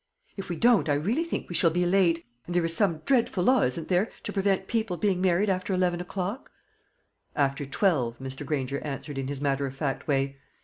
"If we don't, I really think we shall be late and there is some dreadful law, isn't there, to prevent people being married after eleven o'clock?" "After twelve," Mr. Granger answered in his matter of fact way.